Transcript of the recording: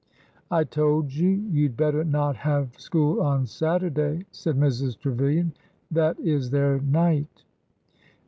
I told you you 'd better not have school on Saturday," said Mrs. Trevilian. That is their night."